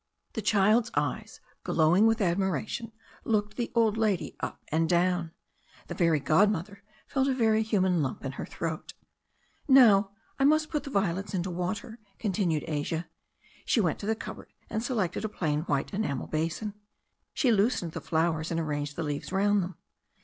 The child's eyes, glowing with admiration, looked the old lady up and down. The fairy godmother felt a very human lump in her throat "Now I must put the violets into water," continued Asia. She went to the cupboard and selected a plain white enamel basin. She loosened the flowers and arranged the leaves round them.